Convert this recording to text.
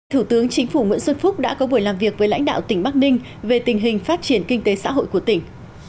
thủ tướng chính phủ nguyễn xuân phúc đã có buổi làm việc với lãnh đạo tỉnh bắc ninh về tình hình phát triển kinh tế xã hội của tỉnh